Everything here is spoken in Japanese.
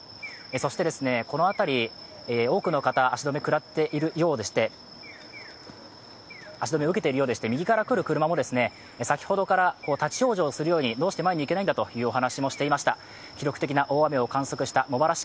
そして、この辺り、多くの方、足止めを受けているようでして右から来る車も先ほどから立往生するかのようにどうして前に行けないんだというお話もしていました。